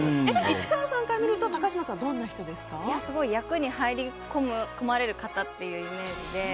市川さんから見ると高嶋さんはすごい、役に入り込まれる方というイメージで。